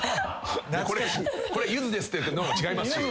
これゆずですってやってんのも違いますし。